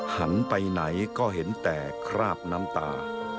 หันไปไหนก็เห็นแต่คราบน้ำตา